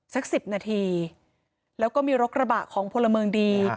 สัก๑๐นาทีแล้วก็มีรถกระบะของพลเมืองดี